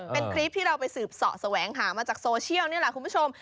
เป็นคลิปที่เราไปสืบเสาะแสวงหามาจากโซเชียลนี่แหละคุณผู้ชม